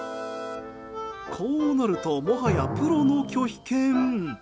こうなると、もはやプロの拒否犬。